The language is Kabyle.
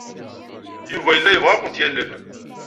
Yuba yella yebɣa ad kent-yalel.